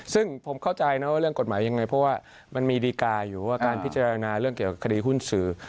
ซึ่งผมเข้าใจนะว่าเรื่องกฎหมายยังไงเพราะว่ามันมีดีการ์อยู่ว่าการพิจารณาเรื่องเกี่ยวกับคดีหุ้นสื่อ